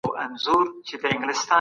هغه نجلۍ چي هلته ناسته ده ډېره لایقه ده.